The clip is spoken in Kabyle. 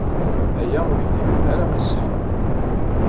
Aya ur iyi-d-iban iṣeḥḥa.